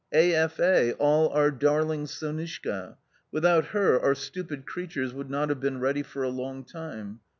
A. F. A., all our darling Sonushka. Without her our stupid creatures would not have been ready for a long time.